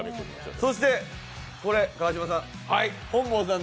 そしてこれ、川島さん、本坊さん